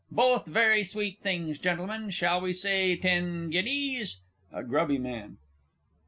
Both very sweet things, Gentlemen. Shall we say ten guineas? A GRUBBY MAN.